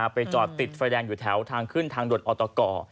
ไปจอดติดไฟแดงอยู่แถวทางขึ้นทางด่วนออตก